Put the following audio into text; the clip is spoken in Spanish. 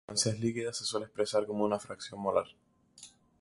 Si la sustancia es líquida, se suele expresar como una fracción molar.